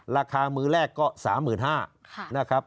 ราคามือแรกก็๓๕๐๐นะครับ